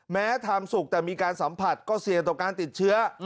แม้ทำสุขแต่มีการสัมผัสก็เสี่ยงต่อการติดเชื้อ